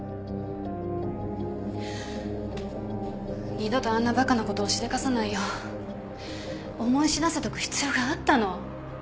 二度とあんなバカなことをしでかさないよう思い知らせとく必要があったの。